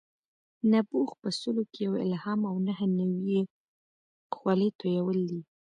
نبوغ په سلو کې یو الهام او نهه نوي یې خولې تویول دي.